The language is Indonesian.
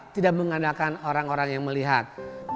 tidak mengandalkan orang orang yang melihat